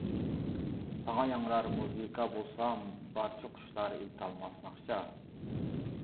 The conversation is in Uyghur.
ساڭا ياڭرار مۇزىكا بولسام، بارچە قۇشلار ئېيتالماس ناخشا.